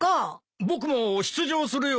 僕も出場するよ。